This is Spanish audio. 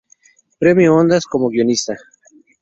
Premio Ondas como Guionista.